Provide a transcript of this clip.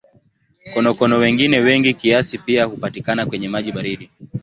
Konokono wengine wengi kiasi pia hupatikana kwenye maji baridi.